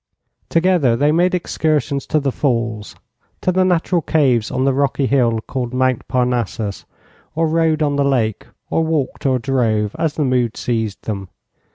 Together they made excursions to the Falls, to the natural caves on the rocky hill called Mount Parnassus, or rowed on the lake, or walked or drove, as the mood seized them.